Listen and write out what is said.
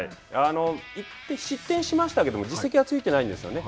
１点失点しましたけど自責はついていないんですよね。